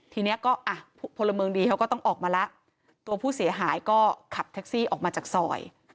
ทีนี้ก็อ่ะพลเมืองดีเขาก็ต้องออกมาแล้วตัวผู้เสียหายก็ขับแท็กซี่ออกมาจากซอย